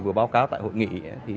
vừa báo cáo tại hội nghị